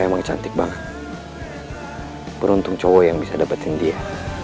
emang cantik banget beruntung cowok yang bisa dapetin dia